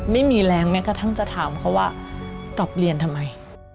ไม่มีแรงแม้กระทั่งจะถามเขาว่ากลับเรียนทำไม